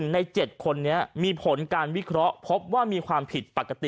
ใน๗คนนี้มีผลการวิเคราะห์พบว่ามีความผิดปกติ